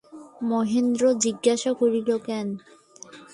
মহেন্দ্র জিজ্ঞাসা করিল, কেন।